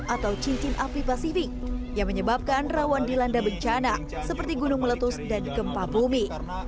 atau cincin api pasifik yang menyebabkan rawan dilanda bencana seperti gunung meletus dan gempa bumi